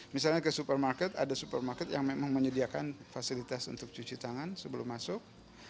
misalnya ke supermarket ada supermarket yang memang menyediakan fasilitas untuk cuci tangan sebelum masuk